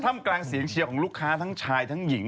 มกลางเสียงเชียร์ของลูกค้าทั้งชายทั้งหญิง